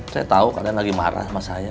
saya tahu kalian lagi marah sama saya